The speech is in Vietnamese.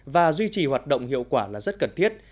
và duy trì hoạt động hiệu quả là rất cần thiết